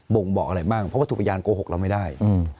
่งบอกอะไรบ้างเพราะว่าถูกพยานโกหกเราไม่ได้